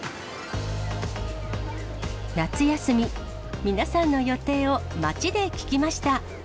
夏休み、皆さんの予定を街で聞きました。